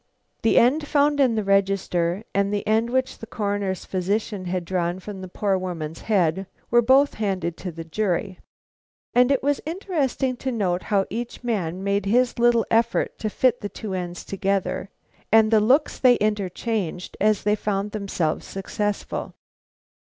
The end found in the register and the end which the Coroner's physician had drawn from the poor woman's head were both handed to the jury, and it was interesting to note how each man made his little effort to fit the two ends together, and the looks they interchanged as they found themselves successful.